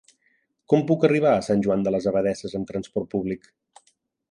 Com puc arribar a Sant Joan de les Abadesses amb trasport públic?